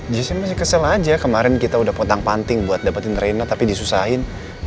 justru masih kesel aja kemarin kita udah potang panting buat dapetin trainer tapi disusahin